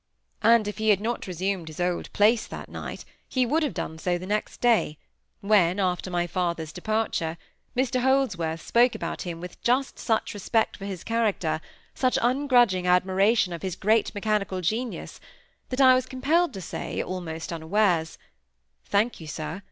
And if he had not resumed his old place that night, he would have done so the next day, when, after my father's departure, Mr Holdsworth spoke about him with such just respect for his character, such ungrudging admiration of his great mechanical genius, that I was compelled to say, almost unawares,— "Thank you, sir.